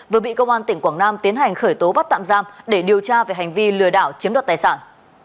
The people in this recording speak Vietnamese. vừa bị công an tỉnh quảng nam tiến hành khởi tố bắt tạm giam để điều tra về hành vi lừa đảo chiếm đoạt tài sản